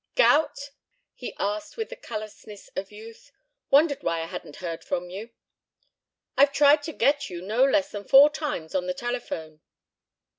"Gout?" he asked with the callousness of youth. "Wondered why I hadn't heard from you." "I've tried to get you no less than four times on the telephone."